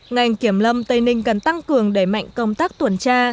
ngành kiểm lâm tây ninh cần tăng cường đẩy mạnh công tác tuần tra